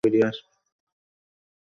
তিনি ফরিদপুর লোন অফিসের পরিচালক ছিলেন।